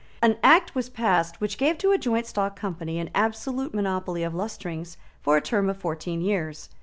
An Act was passed which gave to a joint stock company an absolute monopoly of lustrings for a term of fourteen years.